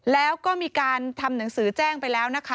แล้วก็มีการทำหนังสือแจ้งไปแล้วนะคะ